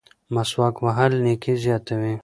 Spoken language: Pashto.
مسواک وهل نیکي زیاتوي.